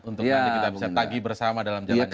untuk kita bisa tagi bersama dalam jalan mencapainya